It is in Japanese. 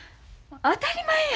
当たり前や！